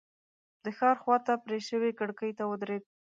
د ښار خواته پرې شوې کړکۍ ته ودرېد.